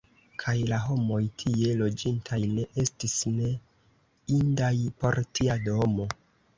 Kaj la homoj, tie loĝintaj, ne estis ne indaj por tia domo!